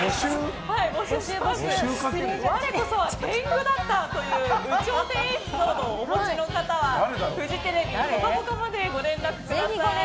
我こそは天狗だったという有頂天エピソードをお持ちの方はフジテレビ「ぽかぽか」までご連絡ください。